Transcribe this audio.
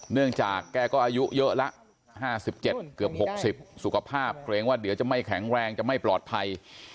เนื่องจากแกก็อายุเยอะละ๕๗เกือบ๖๐สุขภาพเกรงว่าเดี๋ยวจะไม่แข็งแรงจะไม่ปลอดภัย